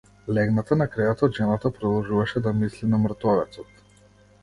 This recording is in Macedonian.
Легната на креветот жената продолжуваше да мисли на мртовецот.